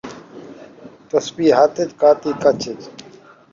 تسبی ہتھ ءِچ، کاتی کچھ ءِچ